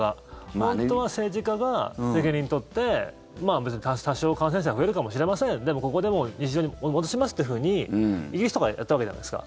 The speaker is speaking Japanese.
本当は政治家が責任取って多少感染者が増えるかもしれませんでもここで日常に戻しますというふうにイギリスとかはやったわけじゃないですか。